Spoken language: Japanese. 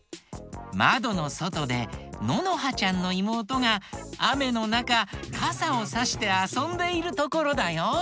まどのそとでののはちゃんのいもうとがあめのなかかさをさしてあそんでいるところだよ。